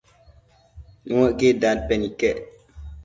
Nuëcquid dadpen iquec